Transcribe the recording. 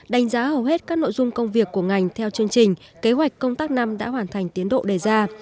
đánh giá hầu hết các nội dung công việc của ngành theo chương trình kế hoạch công tác năm đã hoàn thành tiến độ đề ra